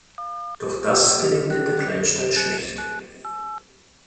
Doch das gelingt in der Kleinstadt schlecht.